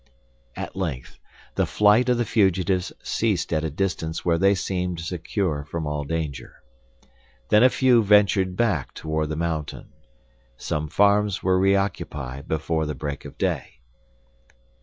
At length, the flight of the fugitives ceased at a distance where they seemed secure from all danger. Then a few ventured back toward the mountain. Some farms were reoccupied before the break of day.